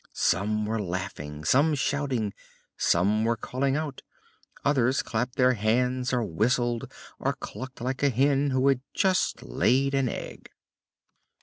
Some were laughing, some shouting, some were calling out; others clapped their hands, or whistled, or clucked like a hen who has just laid an egg.